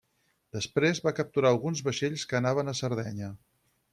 Després va capturar alguns vaixells que anaven a Sardenya.